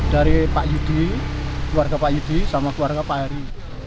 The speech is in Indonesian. dari pak yudi keluarga pak yudi sama keluarga pak heri